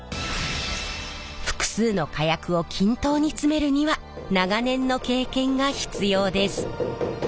複数の火薬を均等に詰めるには長年の経験が必要です。